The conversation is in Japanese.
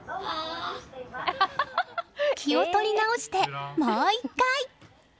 気を取り直してもう１回。